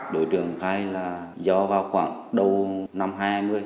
đối tượng khai là do vào khoảng đầu năm hai nghìn hai mươi